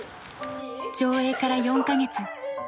上映から４カ月。